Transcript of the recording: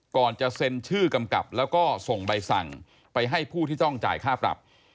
ก่อนจะเซ็นชื่อกำกับแล้วก็ส่งใบสั่งไปให้ผู้ที่ต้องจ่ายค่าปรับ